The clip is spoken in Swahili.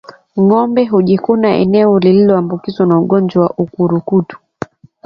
Ngombe hujikuna eneo lililoambukizwa na ugonjwa wa ukurutu